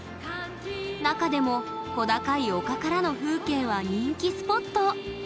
中でも小高い丘からの風景は人気スポット。